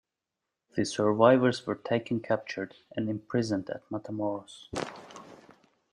The survivors were taken captured and imprisoned at Matamoros.